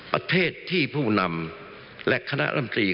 ประเทศที่ผู้นำและคณะรำตรี